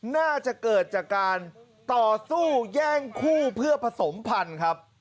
น่าจะเกิดจากการต่อสู้แย่งคู่เพื่อผสมพันธุ์ครับ